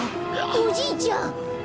おじいちゃん！